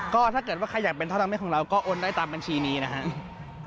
ก็ถ้าเกิดว่าใครอยากเป็นท่อน้ำไม่ของเราก็โอนได้ตามบัญชีนี้นะครับ